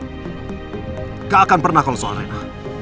enggak akan pernah kalau soal reina